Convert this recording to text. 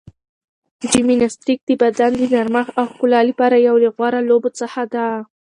جمناستیک د بدن د نرمښت او ښکلا لپاره یو له غوره لوبو څخه ده.